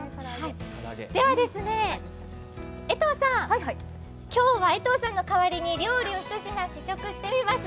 では、今日は江藤さんの代わりに料理をひと品試食してみます。